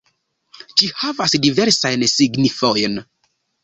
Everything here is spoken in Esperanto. Ĝi havas diversajn signifojn.